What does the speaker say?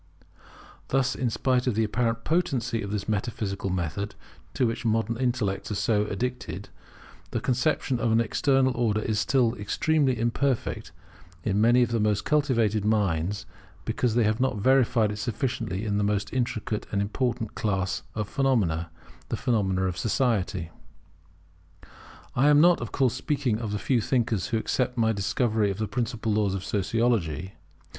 Thus, in spite of the apparent potency of this metaphysical method, to which modern intellects are so addicted, the conception of an External Order is still extremely imperfect in many of the most cultivated minds, because they have not verified it sufficiently in the most intricate and important class of phenomena, the phenomena of society. I am not, of course, speaking of the few thinkers who accept my discovery of the principal laws of Sociology.